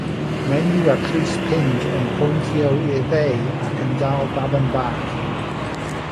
Menyw â chrys pinc yn pwyntio i'r dde ac yn dal baban bach